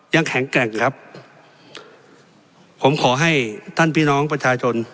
แข็งแกร่งครับผมขอให้ท่านพี่น้องประชาชน